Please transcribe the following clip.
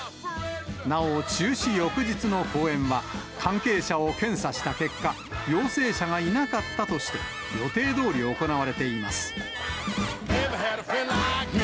なお、中止翌日の公演は関係者を検査した結果、陽性者がいなかったとして、予定どおり行われています。